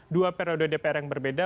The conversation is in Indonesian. dua periode dpr yang berbeda